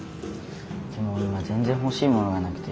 でも今全然欲しいものがなくて。